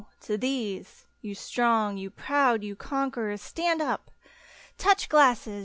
To these. You strong, you proud, you conquerors — stand up! Touch glasses